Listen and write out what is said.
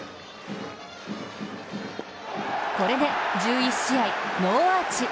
これで１１試合ノーアーチ。